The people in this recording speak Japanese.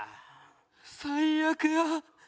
最悪や。